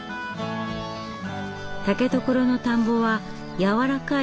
竹所の田んぼは軟らかい粘土質。